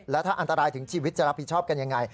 แล้วถ้าอันตรายถึงชีวิตจะรับผิดชอบกันยังไง